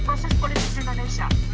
proses politik di indonesia